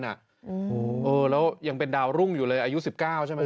โอ้โหแล้วยังเป็นดาวรุ่งอยู่เลยอายุ๑๙ใช่ไหม